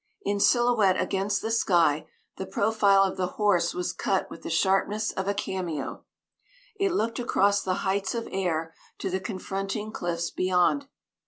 In silhouette against the sky, the profile of the horse was cut with the sharpness of a cameo; it looked across the heights of air to the confronting cliffs beyond.